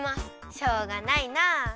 しょうがないな。